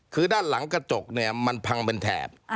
คือด้านหลังกระจกเนี่ยมันพังเป็นแถบ